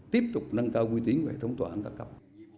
tiếp tục năng cao nguy tiến về thống tòa án cao cấp